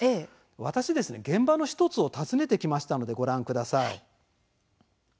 私、現場の１つを訪ねてきましたので、ご覧ください。